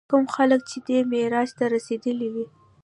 کوم خلک چې دې معراج ته رسېدلي وي.